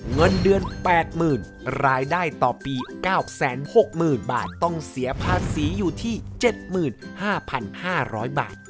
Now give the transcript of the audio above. เงินเดือน๘๐๐๐รายได้ต่อปี๙๖๐๐๐บาทต้องเสียภาษีอยู่ที่๗๕๕๐๐บาท